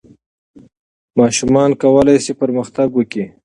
ماشومان کولای سي پرمختګ وکړي.